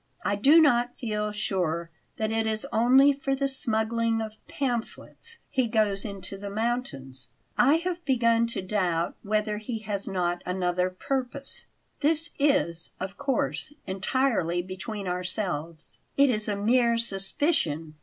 I do not feel sure that it is only for the smuggling of pamphlets he goes into the mountains. I have begun to doubt whether he has not another purpose. This is, of course, entirely between ourselves. It is a mere suspicion.